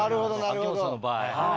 秋元さんの場合。